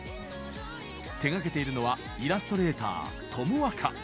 手がけているのはイラストレーター、ともわか。